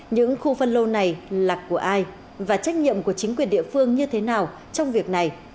những khu phân lô này là của ai và trách nhiệm của chính quyền địa phương như thế nào trong việc này